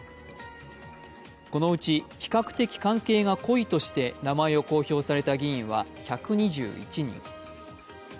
このうち比較的関係が濃いとして名前を公表された議員は１２１人。